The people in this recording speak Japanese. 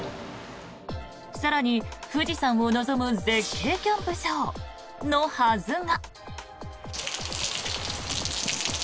更に、富士山を望む絶景キャンプ場のはずが。